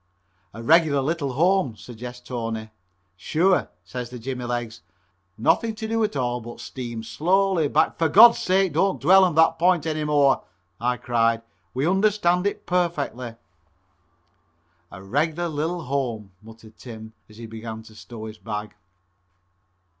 "A regular little home," suggests Tony. "Sure," says the jimmy legs, "nothing to do at all but steam slowly back " "For God's sake don't dwell on that point any more!" I cried. "We understand it perfectly." "A regular lil' home," muttered Tim as he began to stow his bag.